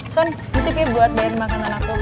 son di tv buat bayarin makanan aku